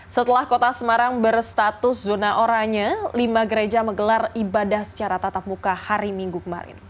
setelah kota semarang berstatus zona oranye lima gereja menggelar ibadah secara tatap muka hari minggu kemarin